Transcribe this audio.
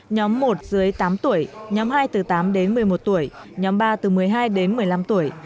nhóm một dưới tám tuổi nhóm hai từ tám đến một mươi một tuổi nhóm ba từ một mươi hai đến một mươi năm tuổi